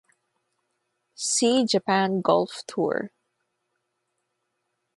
See Japan Golf Tour.